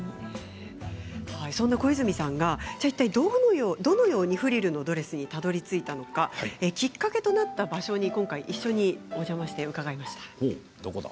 そんな小泉さんがいったいどのようにフリルのドレスにたどりついたのかきっかけとなった場所に今回一緒にお邪魔して伺いました。